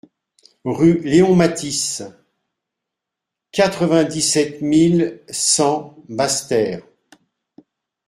Rue Léon Mathis, quatre-vingt-dix-sept mille cent Basse-Terre